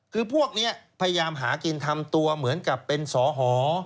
คือพวกนี้พยายามหากินทำตัวเหมือนกับเป็นสอหอ